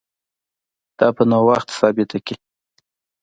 دا به نو وخت ثابته کړي